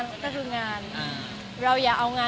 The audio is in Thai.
มีปิดฟงปิดไฟแล้วถือเค้กขึ้นมา